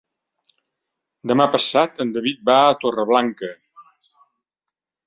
Demà passat en David va a Torreblanca.